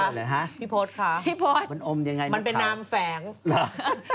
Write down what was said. พี่โพชค่ะมันเป็นนามแสงแม่ดูแล้ว